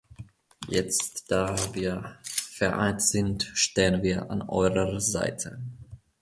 Jetzt, da wir vereint sind, stehen wir an eurer Seite.